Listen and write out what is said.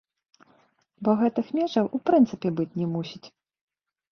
Бо гэтых межаў у прынцыпе быць не мусіць.